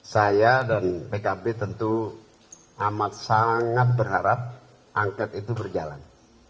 saya dan pkb tentu amat sangat berharap angket itu berjalan